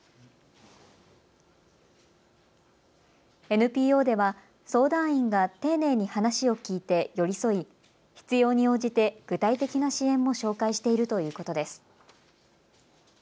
ＮＰＯでは相談員が丁寧に話を聴いて寄り添い必要に応じて具体的な支援も紹介しているということです。